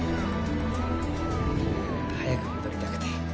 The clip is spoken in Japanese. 早く戻りたくて